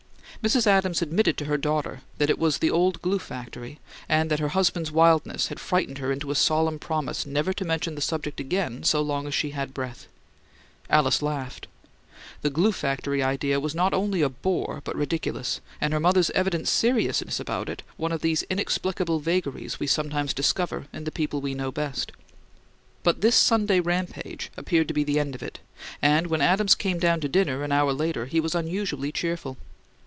Mrs. Adams admitted to her daughter that it was "the old glue factory" and that her husband's wildness had frightened her into a "solemn promise" never to mention the subject again so long as she had breath. Alice laughed. The "glue factory" idea was not only a bore, but ridiculous, and her mother's evident seriousness about it one of those inexplicable vagaries we sometimes discover in the people we know best. But this Sunday rampage appeared to be the end of it, and when Adams came down to dinner, an hour later, he was unusually cheerful.